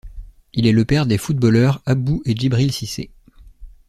Il est le père des footballeurs Abou et Djibril Cissé.